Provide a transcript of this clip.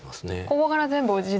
ここから全部地ですか。